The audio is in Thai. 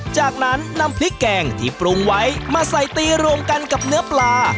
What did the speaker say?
จากนั้นนำพริกแกงที่ปรุงไว้มาใส่ตีรวมกันกับเนื้อปลา